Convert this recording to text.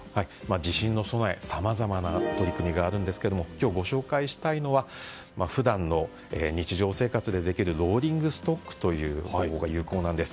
地震への備えには、さまざまな取り組みがあるんですけれども今日、ご紹介したいのは普段の日常生活でできるローリングストックという方法が有効なんです。